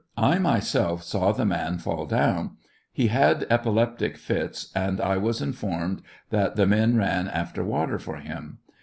I myself saw the man fall down ; he had epileptic fits, and I was informed that the men ran after water for him.